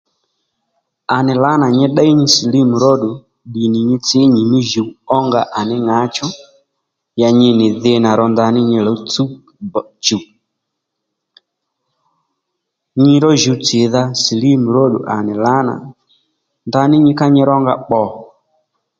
À nì lǎ na nyi déy nyi silimu ró ddù ddì nì nyi tsǐ nyimí djǔw ó nga à ní ŋǎchú ya nyi nì dhi nà ro ndaní nyi lòw tsúw gò chù nyiró djùw tsìdha silimu róddù à nì lǎna ndaní nyi ka nyirónga bbò